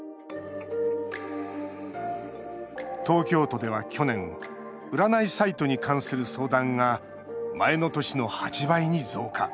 東京都では去年占いサイトに関する相談が前の年の８倍に増加。